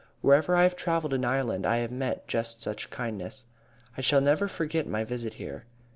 Wherever I have travelled in Ireland I have met just such kindness. I shall never forget my visit here.